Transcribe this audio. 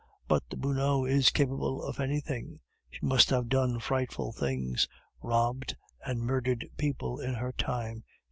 But the Buneaud is capable of anything; she must have done frightful things, robbed and murdered people in her time.